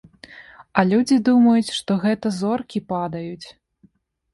А людзі думаюць, што гэта зоркі падаюць.